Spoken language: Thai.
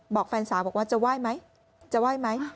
บอกแฟนสาวบอกว่าจะไหว้ไหม